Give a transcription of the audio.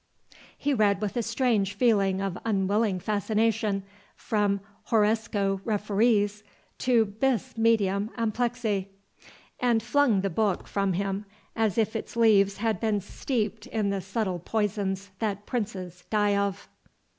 He read with a strange feeling of unwilling fascination, from "Horresco referees" to "Bis medium amplexi," and flung the book from him, as if its leaves had been steeped in the subtle poisons that princes die of.